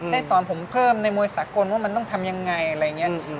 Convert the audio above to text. สอนผมเพิ่มในมวยสากลว่ามันต้องทำยังไงอะไรอย่างนี้